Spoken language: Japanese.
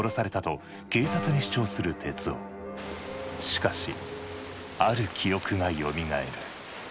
しかしある記憶がよみがえる。